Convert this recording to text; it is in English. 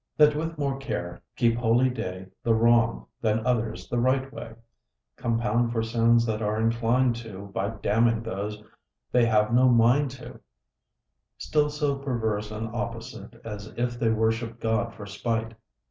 That with more care keep holy day The wrong, than others the right way: Compound for sins they are inclin'd to, By damning those they have no mind to: Still so perverse and opposite, As if they worship'd God for spite.